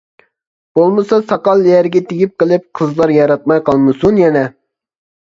بولمىسا ساقال يەرگە تېگىپ قېلىپ قىزلار ياراتماي قالمىسۇن يەنە.